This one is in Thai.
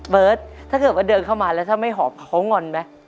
เบิร์ตถ้าเกิดว่าเดินเข้ามาแล้วถ้าไม่หอบเขางอนไหม